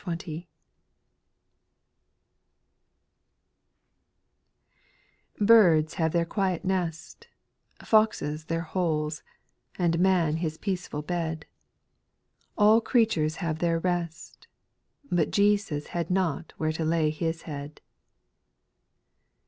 THIRDS have their quiet nest, IJ Foxes their holes, and man his peaceful bed. All creatures have their rest. But Jesus had not where to lay His head.